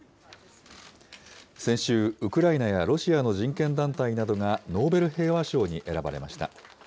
先週、ウクライナやロシアの人権団体などがノーベル平和賞に選ばれました。